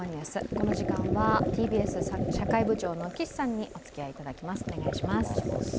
この時間はＴＢＳ社会部長の岸さんにおつきあいいただきます。